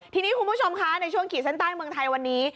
ทีนี้คุณผู้ชมคะในช่วงขีดเส้นใต้เมืองไทยวันนี้